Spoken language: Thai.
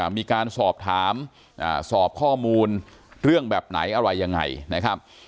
มีการสอบถามสอบข้อมูลเรื่องแบบไหนอะไรยังไงนะครับ